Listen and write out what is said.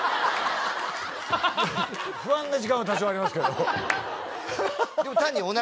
不安な時間は多少ありますけど。